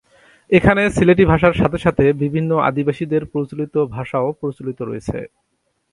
এখানে সিলেটি ভাষার সাথে সাথে বিভিন্ন আদিবাসীদের প্রচলিত ভাষাও প্রচলিত রয়েছে।